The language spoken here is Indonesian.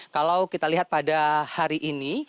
kalau kita lihat pada hari ini